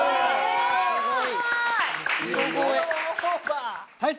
すごい！